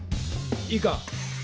⁉いいか。